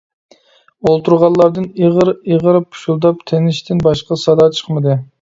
ئولتۇرغانلاردىن ئېغىر-ئېغىر پۇشۇلداپ تىنىشتىن باشقا سادا چىقمىدى.